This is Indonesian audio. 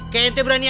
kayak ente berani aja